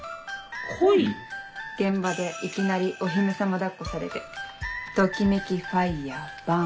現場でいきなりお姫様抱っこされてときめきファイアバーン。